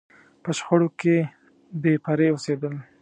په شخړو کې بې پرې اوسېدل.